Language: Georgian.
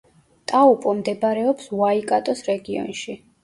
ტაუპო მდებარეობს უაიკატოს რეგიონში.